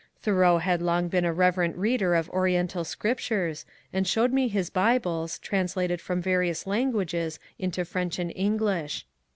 Tboreau had long been a reverent reader of Ori ental scriptures, and sbowed me his bibles^ translated from various languages into French and English.